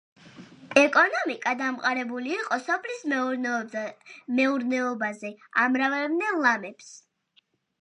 ეკონომიკა დამყარებული იყო სოფლის მეურნეობაზე, ამრავლებდნენ ლამებს.